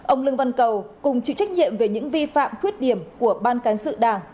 ông lương văn cầu cùng chịu trách nhiệm về những vi phạm khuyết điểm của ban cán sự đảng